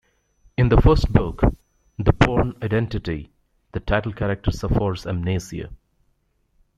In the first book, "The Bourne Identity", the title character suffers amnesia.